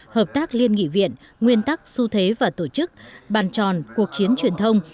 hợp tác liên nghị viện nguyên tắc su thế và tổ chức bàn tròn cuộc chiến truyền thông